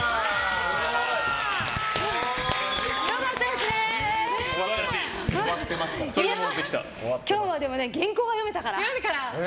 でも、今日は原稿が読めたから。